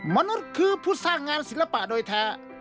มนุษย์คือผู้สร้างงานศิลปะโดยแท้